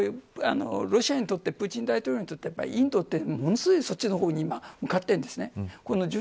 ロシアにとってプーチン大統領にとってインドって、ものすごいそっちの方に向かってるんです。